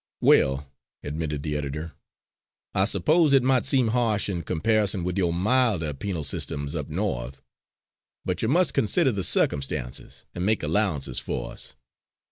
"Well," admitted the editor, "I suppose it might seem harsh, in comparison with your milder penal systems up North. But you must consider the circumstances, and make allowances for us.